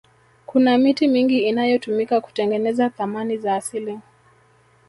kuna miti mingi inayotumika kutengeneza thamani za asili